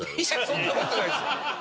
そんな事ないですよ。